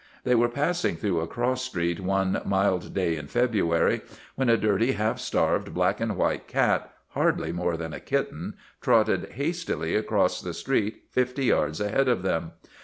They were passing through a cross street one mild day in February when a dirty, half starved black and white cat, hardly more than a kitten, trotted hastily across the street fifty yards ahead of them.